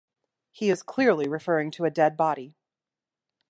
He is clearly referring to a dead body.